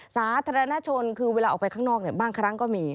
สาธารณชนคือเวลาออกไปข้างนอกบางครั้งก็มี